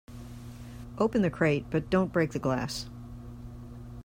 Open the crate but don't break the glass.